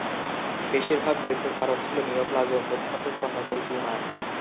বেশিরভাগ মৃত্যুর কারণ ছিল নিওপ্লাজম, প্রধানত স্তন্যপায়ী টিউমার।